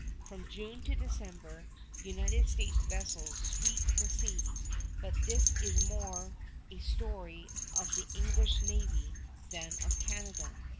From June to December, United States vessels sweep the sea; but this is more a story of the English navy than of Canada.